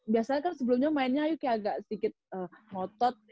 biasanya kan sebelumnya mainnya yuk kayak agak sedikit ngotot